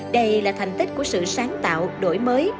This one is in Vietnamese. đây là thành tích của sự sáng tạo đổi mới